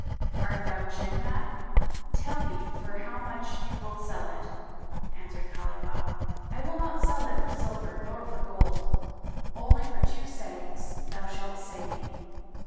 Art thou Jinn mad? Tell me for how much thou wilt sell it." Answered Khalifah, "I will not sell it for silver nor for gold, only for two sayings [FN#206] thou shalt say me."